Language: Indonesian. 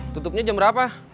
tutupnya jam berapa